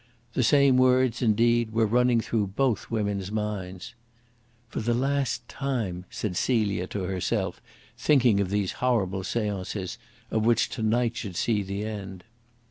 The same words, indeed, were running through both women's minds. "For the last time," said Celia to herself, thinking of these horrible seances, of which to night should see the end.